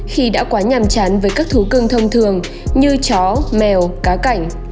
khi đã quá nhàm chán với các thú cưng thông thường như chó mèo cá cảnh